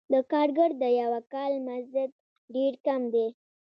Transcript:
د کارګر د یوه کال مزد ډېر کم دی